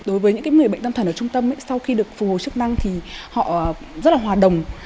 đối với những người bệnh tâm thần ở trung tâm sau khi được phục hồi chức năng thì họ rất là hòa đồng